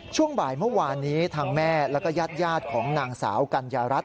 ช่วงบ่ายเมื่อวานนี้ทางแม่แล้วก็ญาติของนางสาวกัญญารัฐ